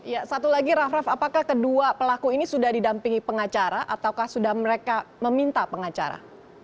ya satu lagi raff raff apakah kedua pelaku ini sudah didampingi pengacara ataukah sudah mereka meminta pengacara